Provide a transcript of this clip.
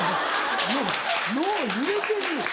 脳揺れてんねん。